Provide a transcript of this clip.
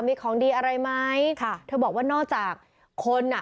มีของดีอะไรไหมค่ะเธอบอกว่านอกจากคนอ่ะ